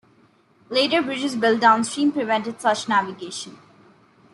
Later bridges built downstream prevented such navigation.